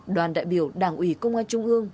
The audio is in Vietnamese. đoàn đại biểu đảng ủy công an trung ương